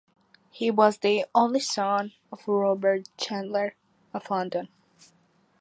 He was the only son of Robert Chandler, of London.